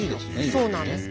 そうなんです。